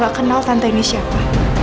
gak kenal tante ini siapa